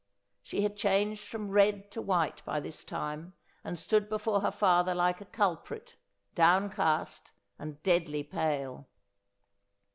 She had changed from red to white by this time, and stood before her father like a culprit, downcast and deadly pale.